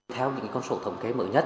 theo những con sổ thống kế mới nhất